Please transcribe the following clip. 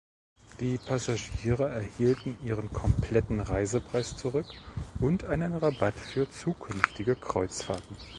Die Passagiere erhielten ihren kompletten Reisepreis zurück und einen Rabatt für zukünftige Kreuzfahrten.